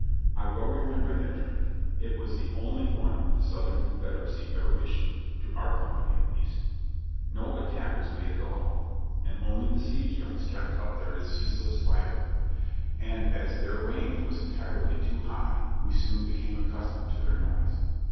I well remember that drink — it was the only one the Southern Confederacy ever issued, to our company at least. No attack was made at all ; and only the siege guns kept up I08 JOHNNY REB AND BILLY YANK their ceaseless firing; and as their range was entirely too high, we soon became accustomed to their noise.